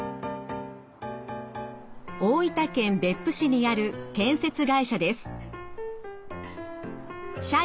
大分県別府市にある建設会社です。